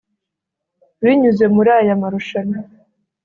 “binyuze muri aya marushanwa